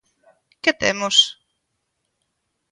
¿Que temos?